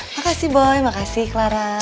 makasih boy makasih clara